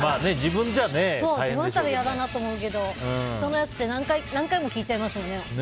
自分だったら嫌だなって思うけど人のやつって何回も聞いちゃいますもんね。